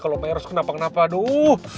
kalau meres kenapa kenapa aduh